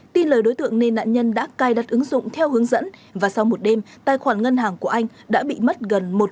tin lời đối tượng nên nạn nhân đã cài đặt ứng dụng theo hướng dẫn và sau một đêm tài khoản ngân hàng của anh đã bị mất gần một tỷ đồng